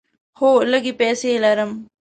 هو، لږې پیسې لرم